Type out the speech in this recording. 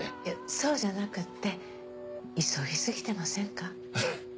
いやそうじゃなくって急ぎすぎてませんか？